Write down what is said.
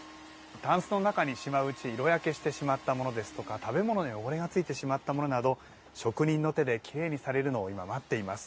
たんすの中にしまううち色焼けしてしまったものですとか食べ物の汚れがついてしまったものなど職人の手できれいにされるのを今待っています。